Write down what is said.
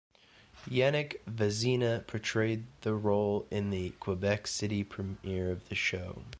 Yannick Vezina portrayed the role in the Quebec City premiere of the show.